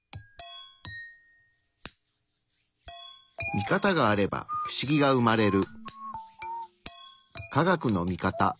ミカタがあればフシギが生まれる。